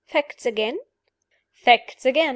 Facts again?" "Facts again!"